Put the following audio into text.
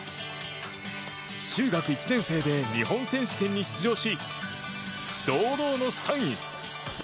中学１年生で日本選手権に出場し堂々の３位。